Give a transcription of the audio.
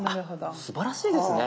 すばらしいですね。